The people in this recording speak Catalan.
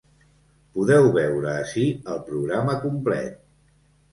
Podeu veure ací el programa complet.